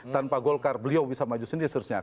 tanpa pak golkar beliau bisa maju sendiri seterusnya